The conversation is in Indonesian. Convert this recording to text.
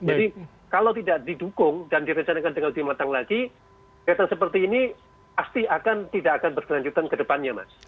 jadi kalau tidak didukung dan direcanakan dengan lebih matang lagi kegiatan seperti ini pasti tidak akan berkelanjutan ke depannya mas